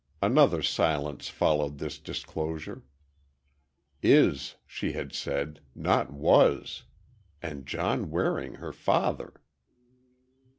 Another silence followed this disclosure. Is, she had said—not was. And John Waring her father!